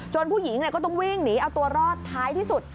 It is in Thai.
ผู้หญิงก็ต้องวิ่งหนีเอาตัวรอดท้ายที่สุด